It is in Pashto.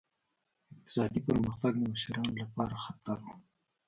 اقتصادي پرمختګ د مشرانو لپاره خطر و.